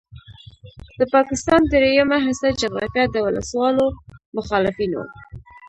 د پاکستان دریمه حصه جغرافیه د وسلوالو مخالفینو